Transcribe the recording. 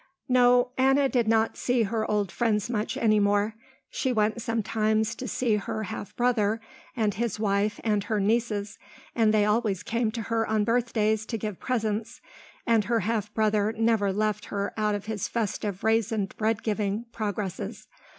No, Anna did not see her old friends much any more. She went sometimes to see her half brother and his wife and her nieces, and they always came to her on her birthdays to give presents, and her half brother never left her out of his festive raisined bread giving progresses.